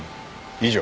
以上。